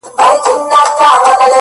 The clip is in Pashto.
• كومه پېغله به غرمه د ميوند سره كي,